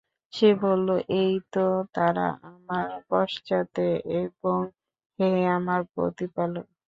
সে বলল, এই তো তারা আমার পশ্চাতে এবং হে আমার প্রতিপালক!